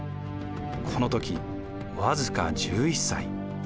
この時僅か１１歳。